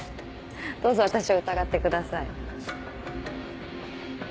どうぞ私を疑ってください。